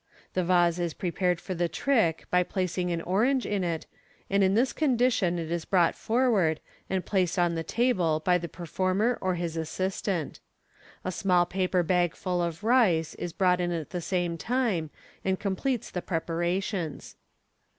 The vase is prepared for the trick by placing an orange in it, and in this condition it is brought forward and placed on the table by the performer or his assis tant. A small paper bag full of rice is brought in at the same time, and completes the prepara tions.